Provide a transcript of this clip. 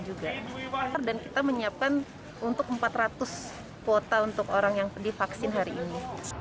kita dan kita menyiapkan untuk empat ratus kuota untuk orang yang divaksin hari ini